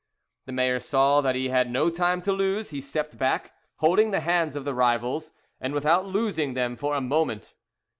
The mayor saw that he had no time to lose; he stepped back, holding the hands of the rivals, and without loosing them for a moment.